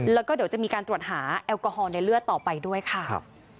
แล้วก็เดี๋ยวจะมีการตรวจหาแอลกอฮอลในเลือดต่อไปด้วยค่ะ